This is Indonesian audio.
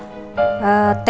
ibu dan juga ibnote